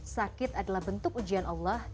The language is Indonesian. sakit adalah bentuk ujian allah